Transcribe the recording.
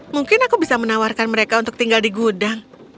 mungkin aku bisa menawarkan mereka untuk tinggal di gudang